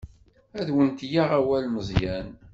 Ad wen-yaɣ awal Meẓyan.